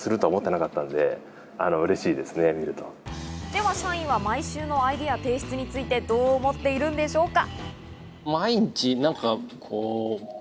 では、社員は毎週のアイデア提出についてどう思っているんでしょうか？